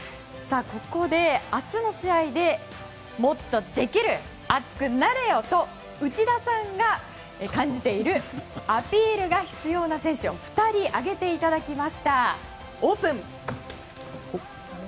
ここで、明日の試合でもっとできる！熱くなれよ！と内田さんが感じているアピールが必要な選手を２人挙げていただきました！